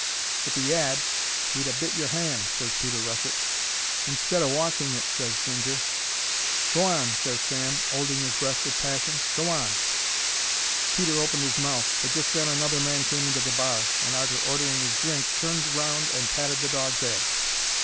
"If he 'ad, he'd ha' bit your 'and," ses Peter Russet. "Instead o' washing it," ses Ginger. "Go on!" ses Sam, 'olding his breath with passion. "Go on!" Peter opened 'is mouth, but just then another man came into the bar, and, arter ordering 'is drink, turned round and patted the dog's 'ead.